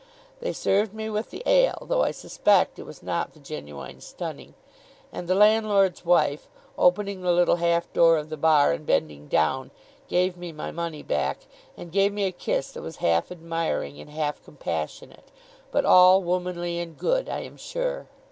They served me with the ale, though I suspect it was not the Genuine Stunning; and the landlord's wife, opening the little half door of the bar, and bending down, gave me my money back, and gave me a kiss that was half admiring and half compassionate, but all womanly and good, I am sure.